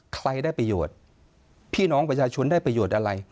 ใครได้ประโยชน์พี่น้องประชาชนได้ประโยชน์อะไร